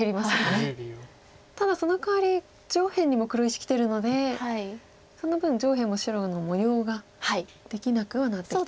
ただそのかわり上辺にも黒石きてるのでその分上辺も白の模様ができなくはなってきたと。